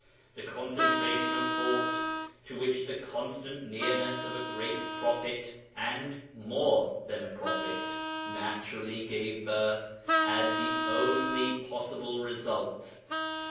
The concentration of thought to which the constant nearness of a great prophet (and 'more than a prophet') naturally gave birth had the only possible result.